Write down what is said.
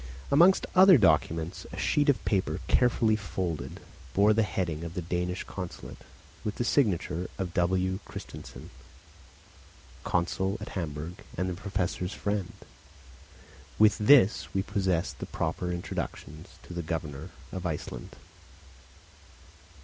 Amongst other documents, a sheet of paper, carefully folded, bore the heading of the Danish consulate with the signature of W. Christiensen, consul at Hamburg and the Professor's friend. With this we possessed the proper introductions to the Governor of Iceland.